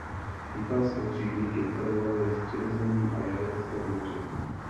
Italské křižníky operovaly ve Středozemním a Jaderském moři.